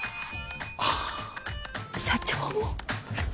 ああ社長も？